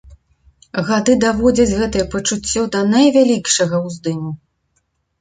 Гады даводзяць гэтае пачуццё да найвялікшага ўздыму.